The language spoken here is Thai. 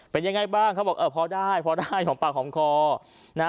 เป็นยังไงบ้างเขาบอกเออพอได้พอได้หอมปากหอมคอนะฮะ